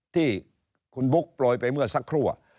ที่คุณบุ๊คโปรยไปเมื่อสักครู่